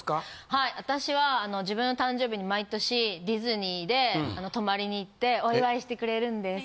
はい私は自分の誕生日に毎年ディズニーで泊まりに行ってお祝いしてくれるんです。